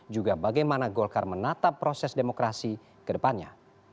juga bagaimana golkar menatap proses demokrasi kedepannya